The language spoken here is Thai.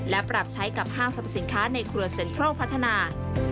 และปรับใช้กับห้างสรรพสินค้าในครัวเซ็นทรัลพัฒนา